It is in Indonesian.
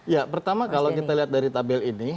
ya pertama kalau kita lihat dari tabel ini